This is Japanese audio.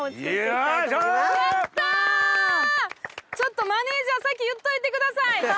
ちょっとマネジャー先言っといてください！